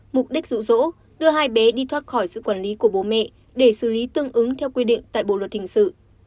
mục đích dụ dỗ đưa hai bé đi thoát khỏi sự quản lý của bố mẹ để xử lý tương ứng theo quy định tại bộ luật hình sự